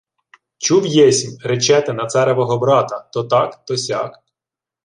— Чув єсмь, речете на царевого брата то так то сяк...